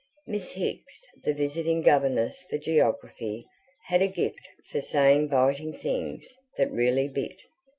Miss Hicks, the visiting governess for geography, had a gift for saying biting things that really bit.